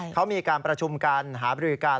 เขามีการประชุมกันหาบริกัน